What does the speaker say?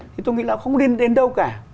thì tôi nghĩ là không nên đến đâu cả